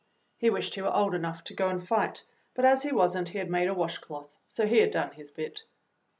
He wished he were old enough to go and fight, but as he was n't, he had made a washcloth, so he had done his bit.